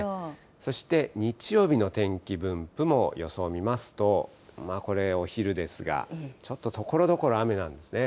そして日曜日の天気分布も予想を見ますと、これ、お昼ですが、ちょっとところどころ雨なんですね。